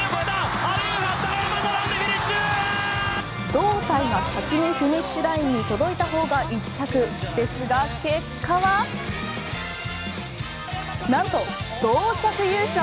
胴体が先にフィニッシュラインに届いたほうが１着ですが結果はなんと同着優勝。